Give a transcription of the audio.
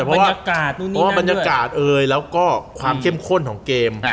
เพราะว่าบรรยากาศเอ่ยแล้วก็ความเข้มข้นของเกม